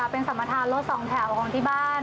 เป็นสัมประธานรถสองแถวของที่บ้าน